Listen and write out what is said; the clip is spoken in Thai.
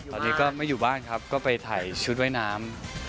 ตอนนี้ก็ไม่อยู่บ้านครับก็ไปถ่ายชุดว่ายน้ำ